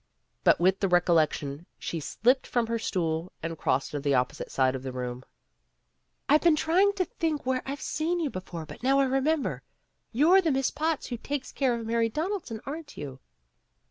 But with the recollection, she slipped from her stool and crossed to the opposite side of the room. "I've been trying to think where I've seen you before, but now I remember. You're the Miss Potts who takes care of Mary Donald son, aren't you!"